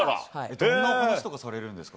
どんな話とかされるんですか？